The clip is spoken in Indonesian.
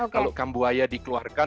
kalau kambu aya dikeluarkan